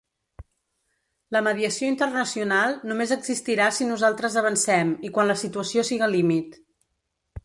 La mediació internacional només existirà si nosaltres avancem i quan la situació siga límit.